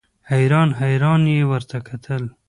حیران حیران یې ورته کتل.